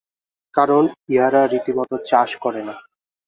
কারণ, ইহারা রীতিমত চাষ করে না।